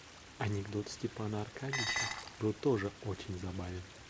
Анекдот Степана Аркадьича был тоже очень забавен.